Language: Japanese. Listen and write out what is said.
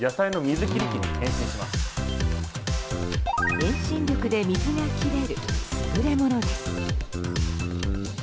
遠心力で水が切れる優れものです。